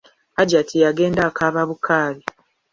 Hajati yagenda akaaba bukaabi!